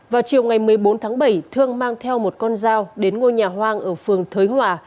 vào chiều ngày một mươi bốn tháng bảy thương mang theo một con dao đến ngôi nhà hoang ở phường thới hòa